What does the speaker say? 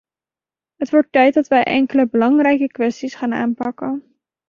Het wordt tijd dat wij enkele belangrijke kwesties gaan aanpakken.